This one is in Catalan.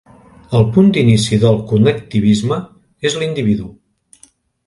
El punt d'inici del connectivisme és l'individu.